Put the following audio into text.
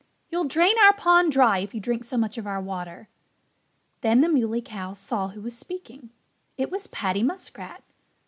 You'll drain our pond dry if you drink so much of our water." Then the Muley Cow saw who was speaking. It was Paddy Muskrat.